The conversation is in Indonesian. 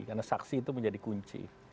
karena saksi itu menjadi kunci